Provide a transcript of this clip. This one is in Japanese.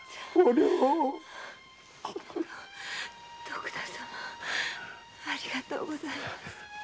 徳田様ありがとうございます。